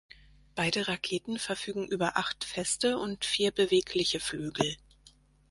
Beide Raketen verfügen über acht feste und vier bewegliche Flügel.